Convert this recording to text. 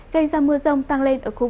gây ra mưa rông